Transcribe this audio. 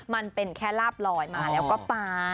มันเป็นแค่ลาบลอยมาแล้วก็ปลา